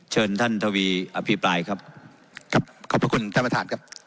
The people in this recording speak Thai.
เชิญท่านทวีอภิปรายครับครับขอบพระคุณท่านประธานครับ